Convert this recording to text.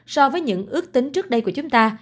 so với những ước tính trước đây của chúng ta